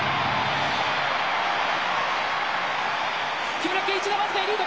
木村敬一が僅かにリード！